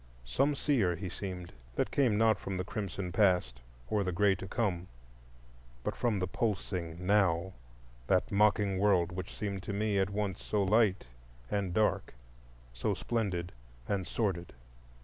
Some seer he seemed, that came not from the crimson Past or the gray To come, but from the pulsing Now,—that mocking world which seemed to me at once so light and dark, so splendid and sordid.